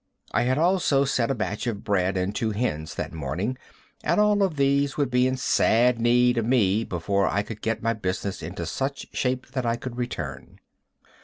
I had also set a batch of bread and two hens that morning, and all of these would be in sad knead of me before I could get my business into such shape that I could return.